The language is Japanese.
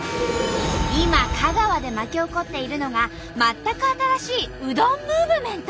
今香川で巻き起こっているのが全く新しいうどんムーブメント。